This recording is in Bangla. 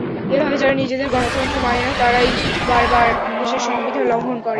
এভাবে যারা নিজেদের গঠনতন্ত্র মানে না, তারাই বারবার দেশের সংবিধান লঙ্ঘন করে।